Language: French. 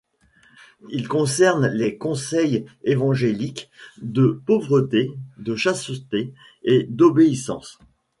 Il concerne les conseils évangéliques de pauvreté, de chasteté et d'obéissance.